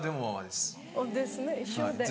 ですね一緒で。